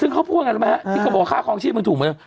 ซึ่งเขาพูดยังไงรู้ไหมฮะที่เขาบอกค่าคลองชีพมันถูกไหม